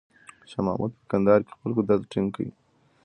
شاه محمود په کندهار کې خپل قدرت ټینګ کړ.